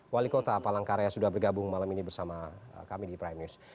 wali kota palangkaraya sudah bergabung malam ini bersama kami di prime news